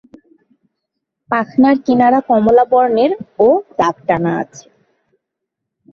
পাখনার কিনারা কমলা বর্ণের ও দাগ টানা আছে।